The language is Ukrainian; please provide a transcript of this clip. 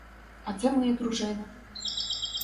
А це моя дружина.